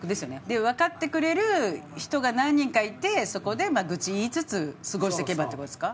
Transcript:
わかってくれる人が何人かいてそこで愚痴言いつつ過ごしていけばっていう事ですか。